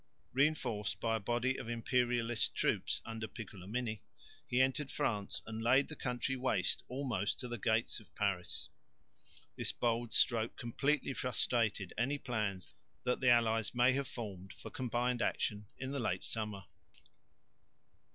Reinforced by a body of Imperialist troops under Piccolomini he entered France and laid the country waste almost to the gates of Paris. This bold stroke completely frustrated any plans that the allies may have formed for combined action in the late summer.